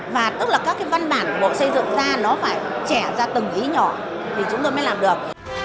và tức là các cái văn bản của bộ xây dựng ra nó phải trẻ ra từng ý nhỏ thì chúng tôi mới làm được